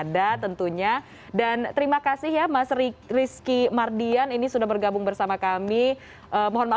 dari akhir tahun kemarin